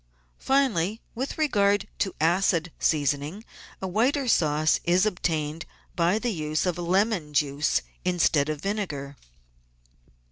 Finally, with regard to acid seasoning, a whiter sauce is obtained by the use of lemon juice instead of vinegar.